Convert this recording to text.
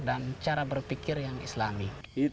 dan cara berpikir yang islami